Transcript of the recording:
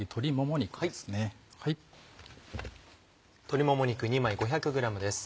鶏もも肉２枚５００ｇです。